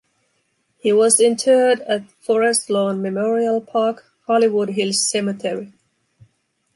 He was interred at Forest Lawn Memorial Park, Hollywood Hills Cemetery.